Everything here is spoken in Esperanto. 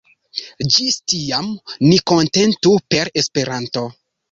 Ĝis tiam, ni kontentu per Esperanto!